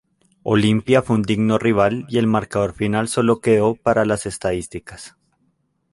Olimpia fue un digno rival y el marcador final solo quedó para las estadísticas.